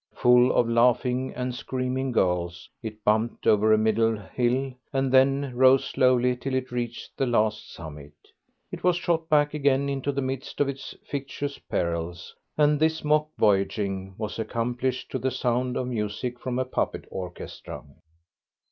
Full of laughing and screaming girls, it bumped over a middle hill, and then rose slowly till it reached the last summit. It was shot back again into the midst of its fictitious perils, and this mock voyaging was accomplished to the sound of music from a puppet orchestra.